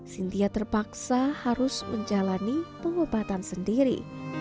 sintia terpaksa harus menjalani pengobatan sendiri